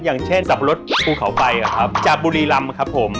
อย่างเช่นขับรถภูเขาไฟจากบุรีรำครับผม